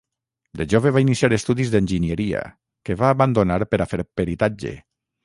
De jove va iniciar estudis d'enginyeria, que va abandonar per a fer peritatge.